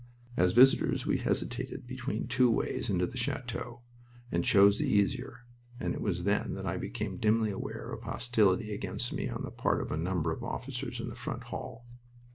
As visitors we hesitated between two ways into the chateau, and chose the easier; and it was then that I became dimly aware of hostility against me on the part of a number of officers in the front hall.